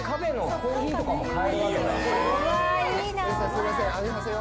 すいません。